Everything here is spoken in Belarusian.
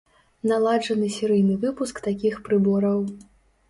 Наладжаны серыйны выпуск такіх прыбораў.